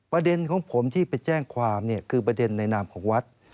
ประเด็นของผมที่ไปแจ้งความคือประเด็นในนามของวัด